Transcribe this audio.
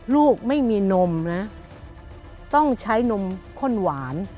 ลูกไม่มีนมนะต้องใช้นมข้นหวาน